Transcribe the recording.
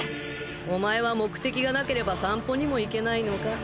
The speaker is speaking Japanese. お前は目的がなければ散歩にも行けないのか？